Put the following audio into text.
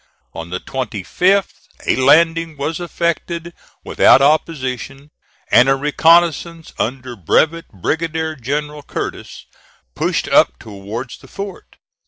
On the 25th a landing was effected without opposition, and a reconnoissance, under Brevet Brigadier General Curtis, pushed up towards the fort.